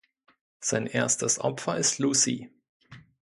Sein erstes Opfer ist Lucy.